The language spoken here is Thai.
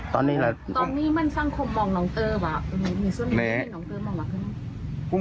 ตอนนี้มันสังคมมองน้องเต้อหรือมีส่วนที่น้องเต้อมองหลักขึ้นหรือ